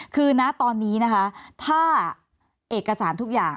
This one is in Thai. คือนะตอนนี้นะคะถ้าเอกสารทุกอย่าง